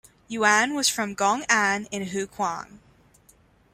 Yuan was from Gong'an in Hukuang.